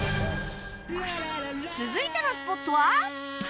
続いてのスポットは